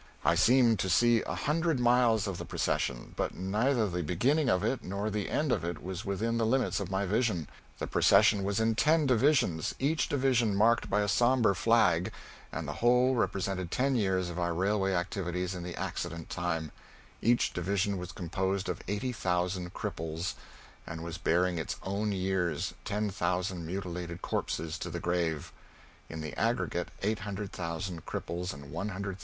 I seemed to see a hundred miles of the procession, but neither the beginning of it nor the end of it was within the limits of my vision. The procession was in ten divisions, each division marked by a sombre flag, and the whole represented ten years of our railway activities in the accident line; each division was composed of 80,000 cripples, and was bearing its own year's 10,000 mutilated corpses to the grave: in the aggregate 800,000 cripples and 100,000 dead, drenched in blood! MARK TWAIN. (_To be Continued.